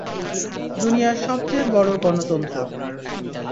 দুনিয়ার সবচেয়ে বড় গণতন্ত্র।